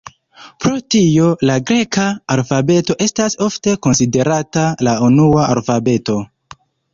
Pro tio, la greka alfabeto estas ofte konsiderata la unua alfabeto.